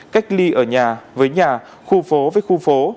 cách ly ở nhà với nhà khu phố với khu phố